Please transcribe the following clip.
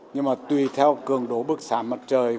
nhưng mà tùy theo cường đố bức sả mặt trời